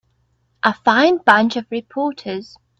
A fine bunch of reporters.